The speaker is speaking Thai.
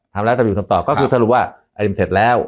ทำแล้วทำอยู่ทำต่อก็คือสรุปว่าอันนี้มันเสร็จแล้ว